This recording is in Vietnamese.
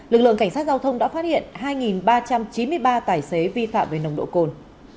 lực lượng cảnh sát giao thông đã phát hiện hai ba trăm chín mươi ba tài xế vi phạm về nồng độ cồn